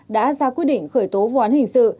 đã ra quyết định khởi tố vụ án hình sự